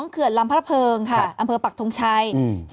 เขื่อนลำพระเพิงค่ะอำเภอปักทงชัย